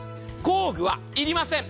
工具は要りません。